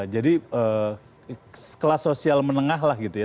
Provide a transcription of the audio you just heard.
jadi kelas sosial menengah lah gitu ya